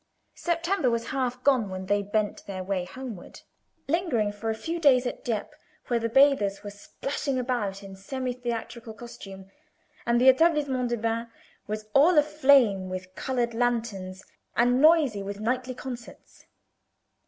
September was half gone when they bent their way homeward, lingering for a few days at Dieppe, where the bathers were splashing about in semi theatrical costume, and the Etablissement des Bains was all aflame with colored lanterns and noisy with nightly concerts.